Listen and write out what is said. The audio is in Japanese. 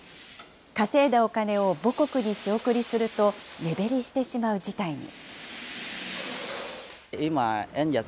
稼いだお金を母国に仕送りすると、目減りしてしまう事態に。